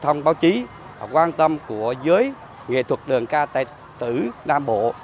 thông báo chí và quan tâm của giới nghệ thuật đàn can tài tử nam bộ